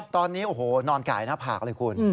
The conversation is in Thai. ตอนนี้โอ้โหนอนกายหน้าผากเลยคุณ